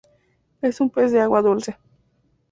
Es un pez de agua dulce.